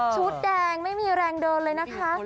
แดงไม่มีแรงเดินเลยนะคะ